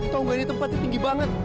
tau gak ini tempatnya tinggi banget